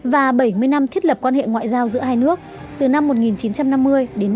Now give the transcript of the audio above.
và bảy mươi năm thiết lập quan hệ ngoại giao giữa hai nước từ năm một nghìn chín trăm năm mươi đến năm hai nghìn hai mươi